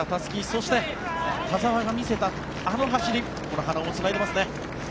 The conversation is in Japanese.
そして、田澤が見せたあの走り花尾もつないでますね。